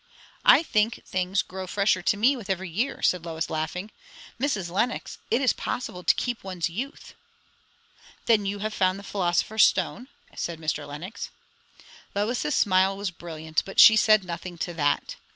"I think things grow fresher to me with every year," said Lois, laughing. "Mrs. Lenox, it is possible to keep one's youth." "Then you have found the philosopher's stone?" said Mr. Lenox. Lois's smile was brilliant, but she said nothing to that.